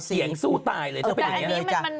เสียงสู้ตายเลยเราไปไหนเนี่ย